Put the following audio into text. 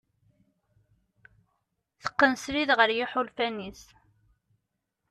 Teqqen srid ɣer yiḥulfan-is.